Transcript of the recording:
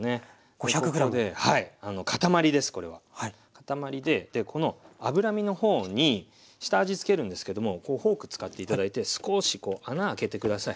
塊でこの脂身のほうに下味つけるんですけどもフォーク使って頂いて少し穴開けて下さい。